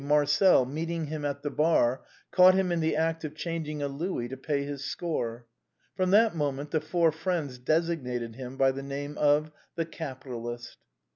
Marcel, meeting him at the bar, caught him in the act of changing a louis to pay his score. From that moment, the four friends designated him by the name of " The Capitalist."